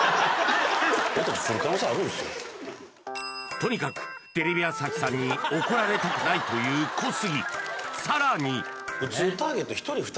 とにかくテレビ朝日さんに怒られたくないという小杉